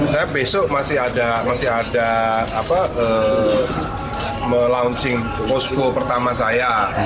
saya besok masih ada melaunching posko pertama saya